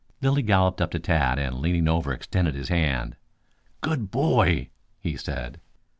Lilly galloped up to Tad and leaning over extended his hand. "Good boy!" he said.